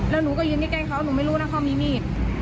แล้วหนูก็ยืนที่แกล้งเขาหนูไม่รู้นะเขามีมีด